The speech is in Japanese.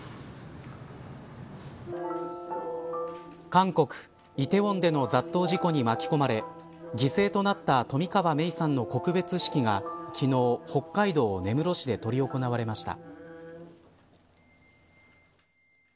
韓国、梨泰院での雑踏事故に巻き込まれ犠牲となった冨川芽衣さんの告別式が昨日、北海道根室市で執り行われました。